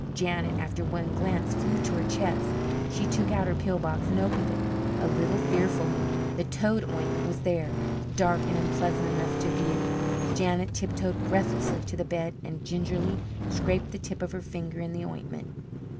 Janet, after one glance, flew to her chest. She took out her pill box and opened it, a little fearfully. The toad ointment was there, dark and unpleasant enough to view. Janet tiptoed breathlessly to the bed and gingerly scraped the tip of her finger in the ointment.